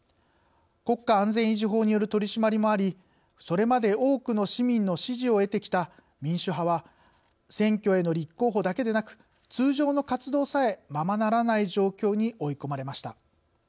国家安全維持法による取締りもありそれまで多くの市民の支持を得てきた民主派は選挙への立候補だけでなく通常の活動さえままならない状況に追い込まれました。